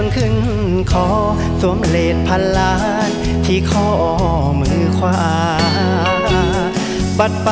ขึ้นคอสวมเลสพันล้านที่ข้อมือขวา